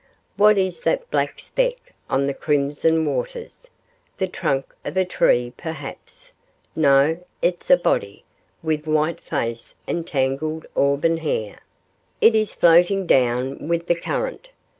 What is that black speck on the crimson waters? The trunk of a tree perhaps; no, it is a body, with white face and tangled auburn hair; it is floating down with the current.